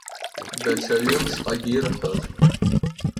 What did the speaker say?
Даҽа ҩы-мшҟагьы ирҳәоз…